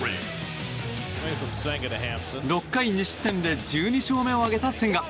６回２失点で１２勝目を挙げた千賀。